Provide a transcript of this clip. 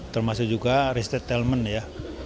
termasuk juga restatement ya